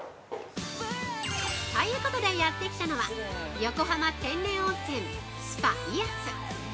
◆ということで、やってきたのは横浜天然温泉スパ・イアス！